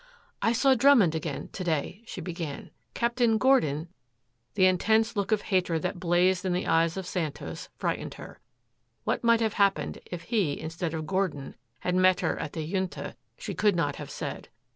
"I saw Drummond again, to day," she began. "Captain Gordon " The intense look of hatred that blazed in the eyes of Santos frightened her. What might have happened if he instead of Gordon had met her at the Junta she could not have said.